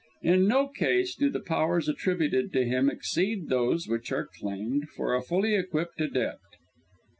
In no case do the powers attributed to him exceed those which are claimed for a fully equipped Adept.